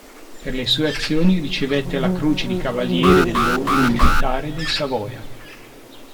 Per le sue azioni ricevette la Croce di cavaliere dell'Ordine militare dei Savoia.